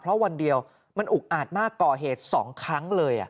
เพราะวันเดียวมันอุกอาจมากก่อเหตุ๒ครั้งเลย